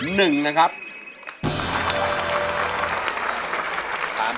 ๓ชนิดหนึ่งนะครับ